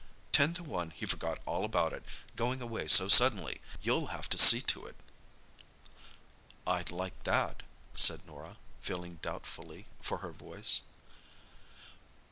Ten to one he forgot all about it, going away so suddenly. You'll have to see to it." "I'd like that," said Norah, feeling doubtfully for her voice.